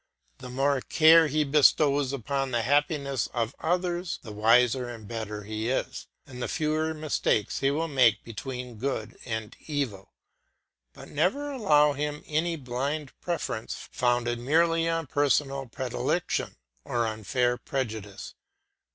The more care he bestows upon the happiness of others the wiser and better he is, and the fewer mistakes he will make between good and evil; but never allow him any blind preference founded merely on personal predilection or unfair prejudice.